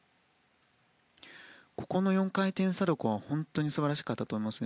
ここの４回転サルコウは本当に素晴らしかったと思います。